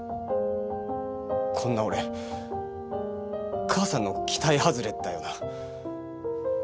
こんな俺母さんの期待外れだよな。